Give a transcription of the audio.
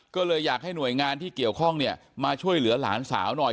ก็เลยอยากให้หน่วยงานที่เกี่ยวข้องเนี่ยมาช่วยเหลือหลานสาวหน่อย